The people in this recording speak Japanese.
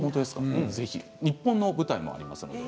日本の舞台もあります。